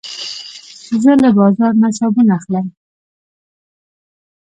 زه له بازار نه صابون اخلم.